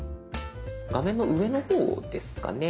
画面の上の方ですかね。